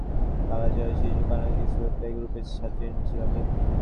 রাজধানীর যাত্রাবাড়ী এলাকার কাজলারপাড় শিশুকানন স্কুলের প্লে গ্রুপের ছাত্রী ছিল মিম।